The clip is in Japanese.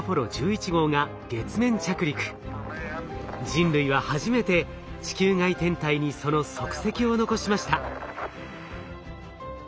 人類は初めて地球外天体にその足跡を残しました。